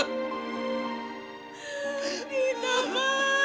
kita berdua sayang sama kamu gita